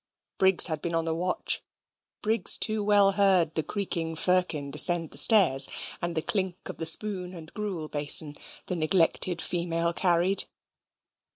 Briggs had been on the watch. Briggs too well heard the creaking Firkin descend the stairs, and the clink of the spoon and gruel basin the neglected female carried.